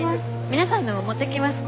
皆さんのも持ってきます。